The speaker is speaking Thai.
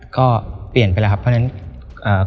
ก็เปลี่ยนไปแล้วครับเพราะฉะนั้นอ่า